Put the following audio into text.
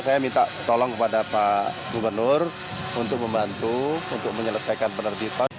saya minta tolong kepada pak gubernur untuk membantu untuk menyelesaikan penerbitan